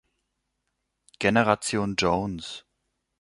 Generation Jones.